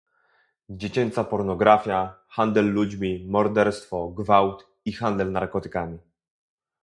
dziecięca pornografia, handel ludźmi, morderstwo, gwałt i handel narkotykami